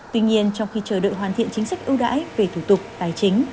tuy nhiên trong khi chờ đợi hoàn thiện chính sách ưu đãi về thủ tục tài chính